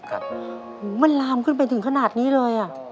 ครับโอ้โฮมันลามขึ้นไปถึงขนาดนี้เลย